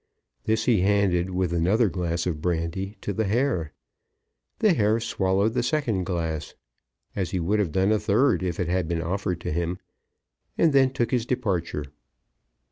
This he handed, with another glass of brandy, to the Herr. The Herr swallowed the second glass, as he would have done a third had it been offered to him, and then took his departure.